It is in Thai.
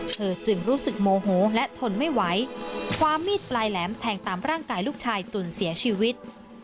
จึงรู้สึกโมโหและทนไม่ไหวความมีดปลายแหลมแทงตามร่างกายลูกชายจนเสียชีวิต